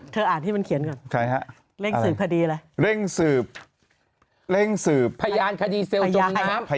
เธออ่านที่มันเขียนก่อน